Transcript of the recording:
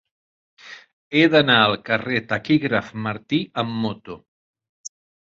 He d'anar al carrer del Taquígraf Martí amb moto.